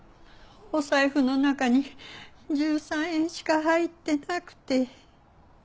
お財布の中に１３円しか入ってなくて。